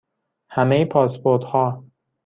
همه پاسپورت ها